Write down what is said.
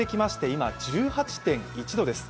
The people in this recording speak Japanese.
今１８．１度です。